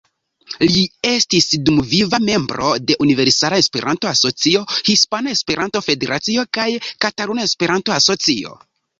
Li estis dumviva membro de Universala Esperanto-Asocio, Hispana Esperanto-Federacio kaj Kataluna Esperanto-Asocio.